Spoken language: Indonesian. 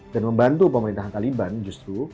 dan membantu pemerintahan taliban justru